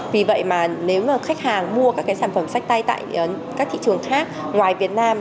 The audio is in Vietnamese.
vì vậy mà nếu mà khách hàng mua các cái sản phẩm sách tay tại các thị trường khác ngoài việt nam